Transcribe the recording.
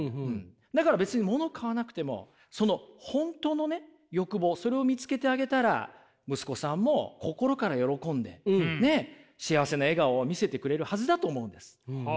だから別にもの買わなくてもその本当のね欲望それを見つけてあげたら息子さんも心から喜んでねっ幸せな笑顔を見せてくれるはずだと思うんです。